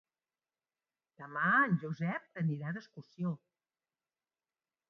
Demà en Josep irà d'excursió.